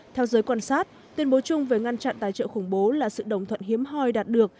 theo giới quan sát tuyên bố chung về ngăn chặn tài trợ khủng bố là sự đồng thuận hiếm hoi đạt được